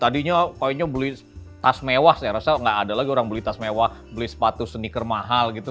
tadinya koinnya beli tas mewah saya rasa nggak ada lagi orang beli tas mewah beli sepatu sneaker mahal gitu